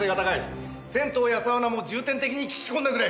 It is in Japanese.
銭湯やサウナも重点的に聞き込んでくれ。